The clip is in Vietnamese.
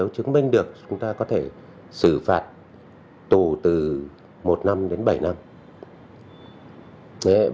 chúng ta cũng chưa xử phạt trường hợp nào về mặt hình sự cả